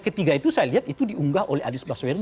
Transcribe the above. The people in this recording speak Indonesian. ketiga itu saya lihat itu diunggah oleh anies baswedan